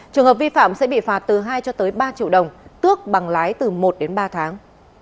trường hợp vi phạm sẽ bị phạt từ hai cho tới ba triệu đồng tước bằng lái từ một đến ba tháng